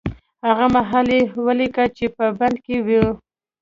هغه مهال يې وليکه چې په بند کې و.